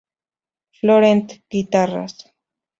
Florent: guitarras.